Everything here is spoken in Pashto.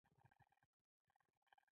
د ذهني فشار کمول د بدن قوت زیاتوي.